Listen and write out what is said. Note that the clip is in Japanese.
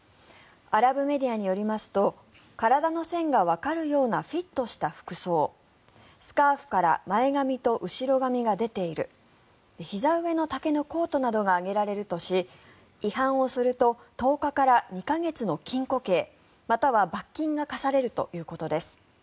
アラブメディアによりますと体の線がわかるようなフィットした服装スカーフから前髪と後ろ髪が出ているひざ上の丈のコートなどが挙げられるとし違反をすると１０日から２か月の禁錮刑または罰金が科されるということです。